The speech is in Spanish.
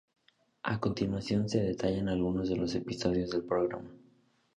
A continuación se detallan algunos de los episodios del programa.